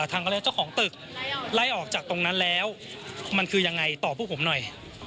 ทางเขาเรียกเจ้าของตึกไล่ออกจากตรงนั้นแล้วมันคือยังไงต่อพวกผมหน่อย